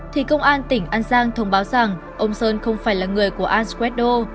thì công an tỉnh an giang thông báo rằng ông sơn không phải là người của anxuedo